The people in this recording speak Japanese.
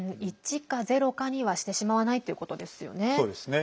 １かゼロかにはしてしまわないということですよね。